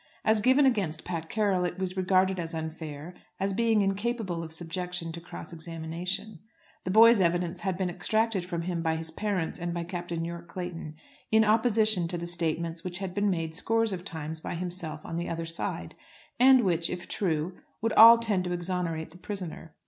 As given against Pat Carroll it was regarded as unfair, as being incapable of subjection to cross examination. The boy's evidence had been extracted from him by his parents and by Captain Yorke Clayton, in opposition to the statements which had been made scores of times by himself on the other side, and which, if true, would all tend to exonerate the prisoner.